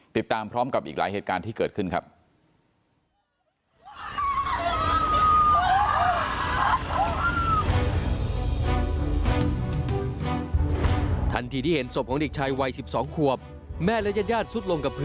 ติดตามพร้อมกับอีกหลายเหตุการณ์ที่เกิดขึ้นครับ